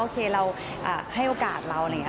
โอเคเราให้โอกาสเรา